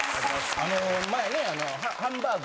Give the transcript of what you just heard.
あの前ねハンバーグ。